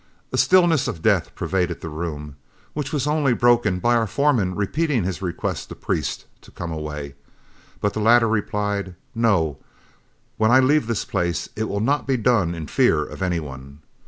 A stillness as of death pervaded the room, which was only broken by our foreman repeating his request to Priest to come away, but the latter replied, "No; when I leave this place it will not be done in fear of any one.